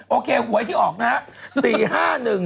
โอเคหวยที่ออกนะฮะ๔๕๑๐๐๕